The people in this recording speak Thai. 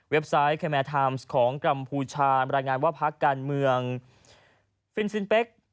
เว็บไซต์แคมแอร์ไทมส์ของกรรมภูชารายงานว่าพระการเมืองฟิลซินเป็ก